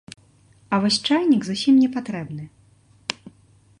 А вось чайнік зусім не патрэбны.